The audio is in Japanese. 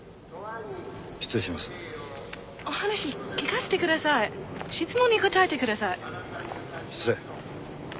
失礼しますお話聞かせてください質問に答えてください失礼！